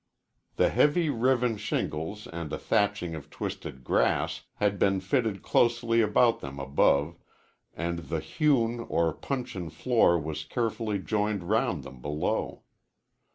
The heavy riven shingles and a thatching of twisted grass had been fitted closely about them above, and the hewn or puncheon floor was carefully joined around them below.